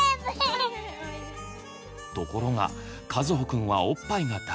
ところがかずほくんはおっぱいが大好き。